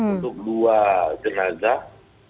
untuk dua jenazah